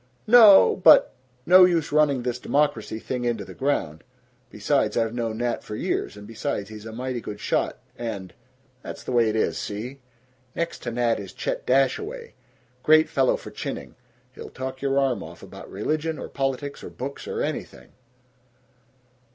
"No but No use running this democracy thing into the ground. Besides, I've known Nat for years, and besides, he's a mighty good shot and That's the way it is, see? Next to Nat is Chet Dashaway. Great fellow for chinning. He'll talk your arm off, about religion or politics or books or anything."